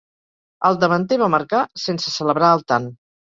El davanter va marcar, sense celebrar el tant.